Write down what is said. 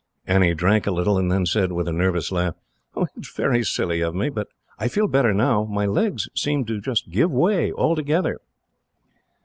Annie drank a little, and then said, with a nervous laugh: "It is very silly of me. But I feel better now. My legs seemed to give way, altogether."